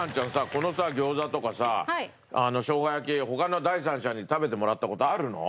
このさ餃子とかさしょうが焼き他の第三者に食べてもらった事あるの？